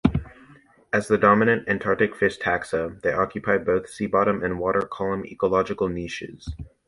As the dominant Antarctic fish taxa, they occupy both sea-bottom and water-column ecological niches.